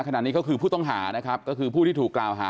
ขณะนี้ก็คือผู้ต้องหาก็คือผู้ที่ถูกคราวหา